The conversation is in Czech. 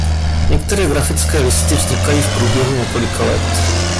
Některé grafické listy vznikají v průběhu několika let.